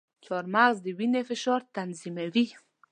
چارمغز د وینې فشار تنظیموي.